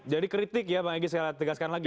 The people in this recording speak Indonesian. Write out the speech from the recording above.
jadi kritik ya pak egy saya tegaskan lagi